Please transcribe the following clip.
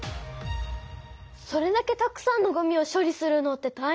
それだけたくさんのごみを処理するのってたいへんそう！